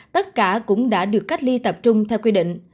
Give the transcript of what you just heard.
tất cả cũng đã được cách ly tập trung theo quy định